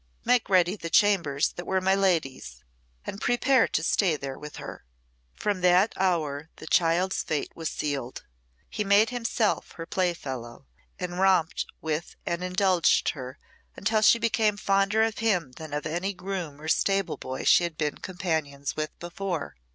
"Make ready the chambers that were my lady's, and prepare to stay there with her." From that hour the child's fate was sealed. He made himself her playfellow, and romped with and indulged her until she became fonder of him than of any groom or stable boy she had been companions with before.